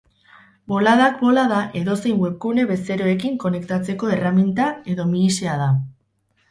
Boladak bolada, edozein webgune bezeroekin konektatzeko erreminta edo mihisea da.